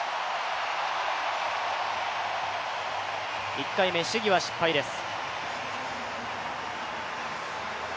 １回目、試技は失敗です。